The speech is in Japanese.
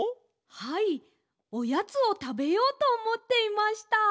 はいおやつをたべようとおもっていました。